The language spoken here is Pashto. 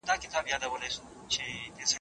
ایا د لښتې لپاره به خدای خیر وکړي؟